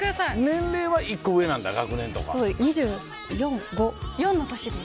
年齢は１個上なんだ、そう、２４、５？４の年です。